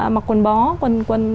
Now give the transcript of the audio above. mặc quần bó quần quần